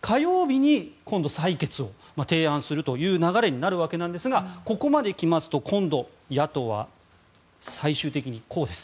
火曜日に今度、採決を提案するという流れになるわけなんですがここまで来ますと今度、野党は最終的に、こうです。